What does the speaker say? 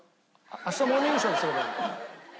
明日『モーニングショー』ですればいいのか。